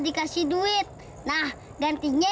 dikasih duit nah gantinya edik bantuin